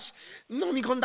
のみこんだ。